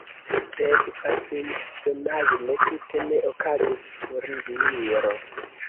Sed pasintsemajne tute ne okazis turniro.